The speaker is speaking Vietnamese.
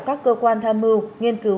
các cơ quan tham mưu nghiên cứu